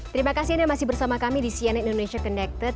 terima kasih anda masih bersama kami di cnn indonesia connected